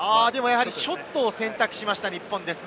ショットを選択しました日本です。